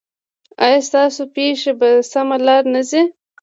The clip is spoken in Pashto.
ایا ستاسو پښې په سمه لار نه ځي؟